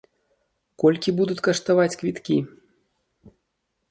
Колькі будуць каштаваць квіткі?